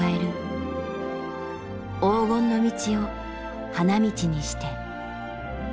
黄金の道を花道にして。